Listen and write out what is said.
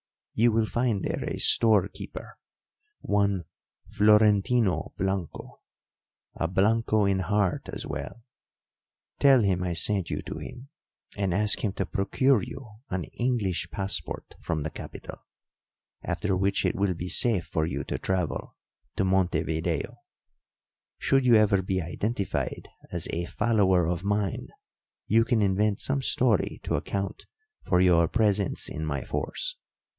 You will find there a storekeeper, one Florentino Blanco a Blanco in heart as well. Tell him I sent you to him, and ask him to procure you an English passport from the capital; after which it will be safe for you to travel to Montevideo. Should you ever be identified as a follower of mine, you can invent some story to account for your presence in my force.